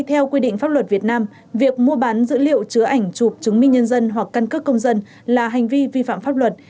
theo quy định pháp luật việt nam việc mua bán dữ liệu chứa ảnh chụp chứng minh nhân dân hoặc căn cước công dân là hành vi vi phạm pháp luật